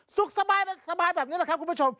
สุขสบายสบายแบบนี้เเลาะครับคุณผู้ชม